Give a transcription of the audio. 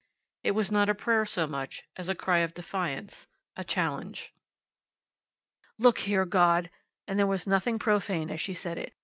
It was not a prayer so much as a cry of defiance a challenge. "Look here, God!" and there was nothing profane as she said it.